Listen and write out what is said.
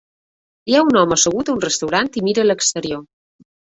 Hi ha un home assegut a un restaurant i mira a l'exterior.